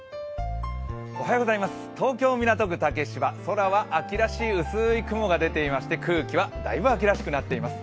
東京・港区竹芝、空は秋らしい薄い雲が出ていまして空気はだいぶ秋らしくなっています。